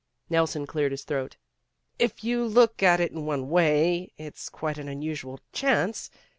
Nelson cleared his throat. "If you look at it in one way, it's quite an unusual chance.